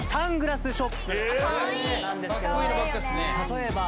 例えば。